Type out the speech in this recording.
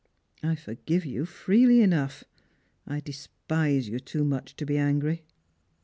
I forgive you freely enough. I despise you too much to be angry."